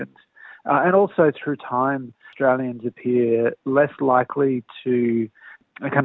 orang australia lebih kurang kemungkinan